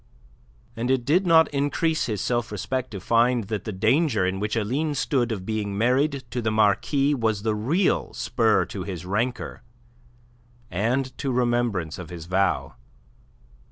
And it did not increase his self respect to find that the danger in which Aline stood of being married to the Marquis was the real spur to his rancour and to remembrance of his vow.